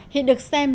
hiện được xem